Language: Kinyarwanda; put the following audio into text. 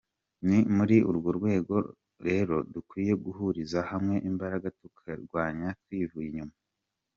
Ni muri urwo rwego rero dukwiye guhuriza hamwe imbaraga tukarirwanya twivuye inyuma.